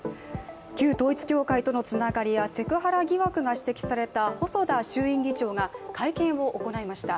旧統一教会とのつながりやセクハラ疑惑が指摘された細田衆院議長が会見を行いました。